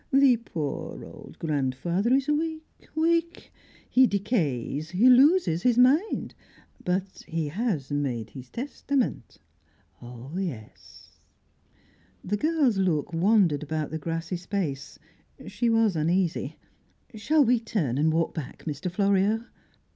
The poor old grandfather is weak, weak; he decays, he loses his mind; but he has made his testament, oh yes!" The girl's look wandered about the grassy space, she was uneasy. "Shall we turn and walk back, Mr. Florio?"